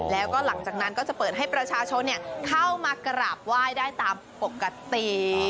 แล้วก็หลังจากนั้นก็จะเปิดให้ประชาชนเข้ามากราบไหว้ได้ตามปกติ